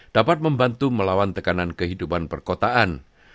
dapat membantu melawan tekanan kehidupan perkotaan